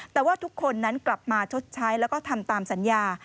แต่ว่าทุกคนนั้นกลับมาชดใช้แล้วก็ทำตามสัญญา